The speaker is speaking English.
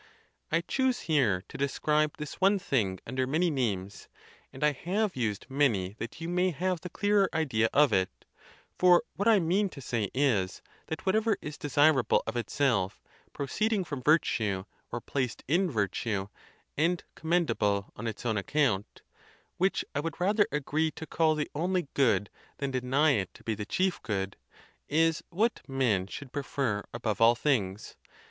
I choose here to describe this one thing under many names, and I have used many that you may have the clearer idea of it; for what I mean to say is, that whatever is desirable of itself, proceeding from vir tue, or placed in virtue, and commendable on its own ac count (which I would rather agree to call the only good than deny it to be the chief good) is what men should pre fer above all things.